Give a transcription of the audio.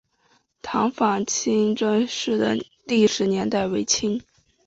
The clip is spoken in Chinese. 塘坊清真寺的历史年代为清。